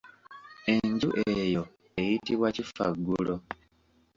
Enju eyo eyitibwa kifaggulo.